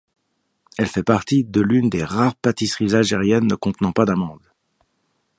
Elle fait partie de l'une des rares pâtisseries algériennes ne contenant pas d'amandes.